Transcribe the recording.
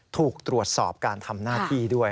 ถูกตรวจสอบการทำหน้าที่ด้วย